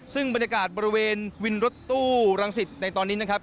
ซึ่งบรรยากาศบริเวณวินรถตู้รังสิตในตอนนี้นะครับ